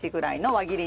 輪切り！